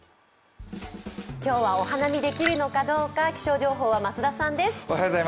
今日はお花見できるのかどうか、気象情報は増田さんです。